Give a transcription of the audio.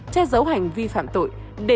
che giấu hành vi phạm tội